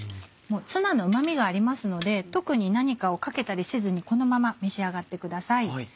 ツナのうま味がありますので特に何かをかけたりせずにこのまま召し上がってください。